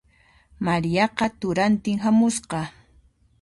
Mariaqa turantin hamusqa.